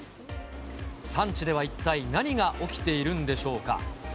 産地では一体何が起きているんでしょうか。